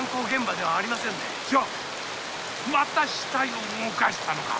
じゃあまた死体を動かしたのか！？